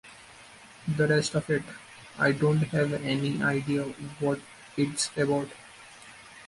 The rest of it - I don't have any idea what it's about.